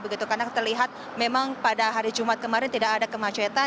karena kita lihat memang pada hari jumat kemarin tidak ada kemacetan